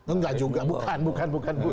enggak juga bukan bukan